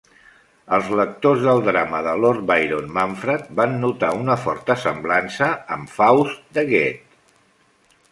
Els lectors del drama de Lord Byron "Manfred" van notar una forta semblança amb "Faust" de Goethe.